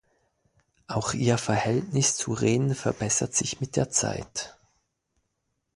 Auch ihr Verhältnis zu Ren verbessert sich mit der Zeit.